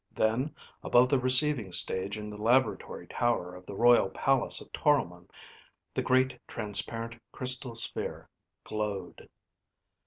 Then, above the receiving stage in the laboratory tower of the royal place of Toromon, the great transparent crystal sphere glowed.